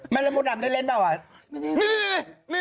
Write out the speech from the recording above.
มารมุดอำได้เล่นเปล่าอ่ะนี่